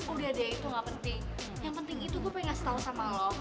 udah deh itu gak penting yang penting itu gue pengen ngasih tau sama lo